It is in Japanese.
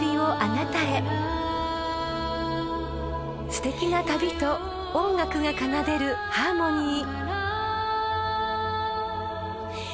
［すてきな旅と音楽が奏でるハーモニー］